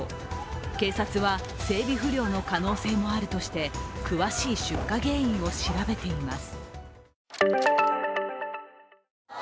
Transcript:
警察は整備不良の可能性もあるとして詳しい出火原因を調べています。